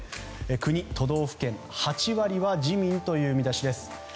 国、都道府県８割は自民という見出しです。